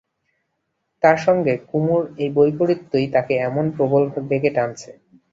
তার সঙ্গে কুমুর এই বৈপরীত্যই তাকে এমন প্রবল বেগে টানছে।